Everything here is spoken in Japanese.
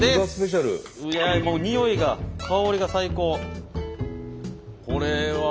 もうにおいが香りが最高。